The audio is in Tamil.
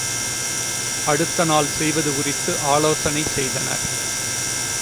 அடுத்த நாள் செய்வது குறித்து ஆலோசனை செய்தனர்.